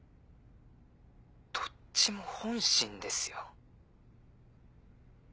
どっちも本心ですよ。